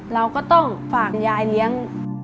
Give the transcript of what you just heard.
เราก็ต้องฝากยายเลี้ยง